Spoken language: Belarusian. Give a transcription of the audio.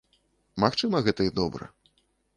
Магчыма, гэта і добра.